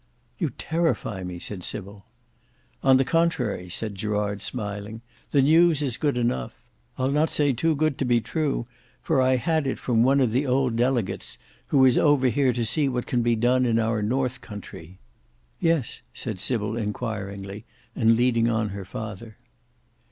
"You terrify me," said Sybil. "On the Contrary," said Gerard, smiling, "the news is good enough; I'll not say too good to be true, for I had it from one of the old delegates who is over here to see what can be done in our north countree." "Yes," said Sybil inquiringly, and leading on her father.